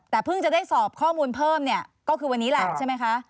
แต่เพิ่งจะได้สอบข้อมูลเพิ่มเนี่ยก็คือวันนี้แหละใช่ไหมคะ